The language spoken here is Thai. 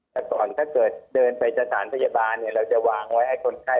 แต่ก่อนถ้าเกิดเดินไปสถานพยาบาลเราจะวางไว้ให้คนไข้